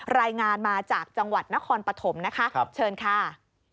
รายงานมาจากจังหวัดนครปฐมนะคะเชิญค่ะ